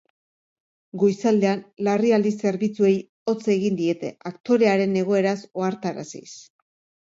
Goizaldean, larrialdi zerbitzuei hots egin diete, aktorearen egoeraz ohartaraziz.